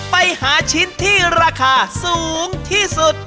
ไปหาชิ้นที่ราคาสูงที่สุด